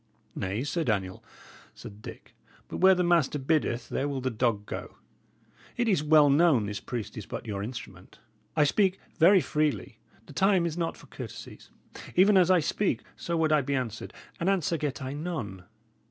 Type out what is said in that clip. "Nay, Sir Daniel," said Dick, "but where the master biddeth there will the dog go. It is well known this priest is but your instrument. I speak very freely; the time is not for courtesies. Even as I speak, so would I be answered. And answer get I none!